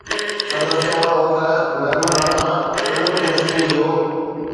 سندس چوڻ هو ته معمر رانا فلم انڊسٽري جو